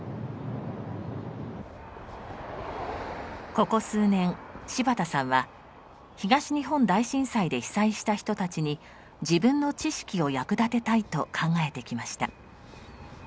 ここ数年柴田さんは東日本大震災で被災した人たちに自分の知識を役立てたいと考えてきました。